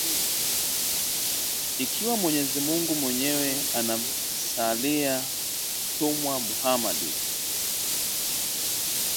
Ikiwa Mwenyezi Mungu mwenyewe anamsalia Tumwa Muhammadi